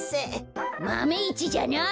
マメ１じゃない！